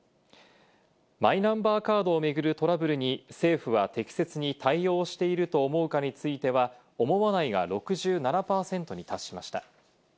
マイナンバーカードを巡るトラブルに政府は適切に対応していると思うかについては、思わないが６７％に達しました。